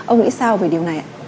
ông nghĩ sao về điều này ạ